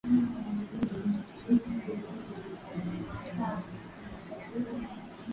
Asilimia tisini maeneo ya mjini yana maji safi ya kunywa